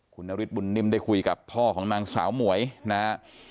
คุณนฤทธบุญนิ่มได้คุยกับพ่อของนางสาวหมวยนะฮะ